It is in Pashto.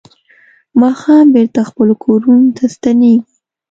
ماښام بېرته خپلو کورونو ته ستنېږي.